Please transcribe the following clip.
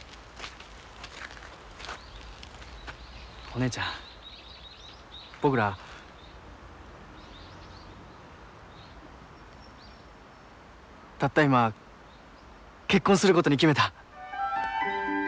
お姉ちゃん僕ら。たった今結婚することに決めた。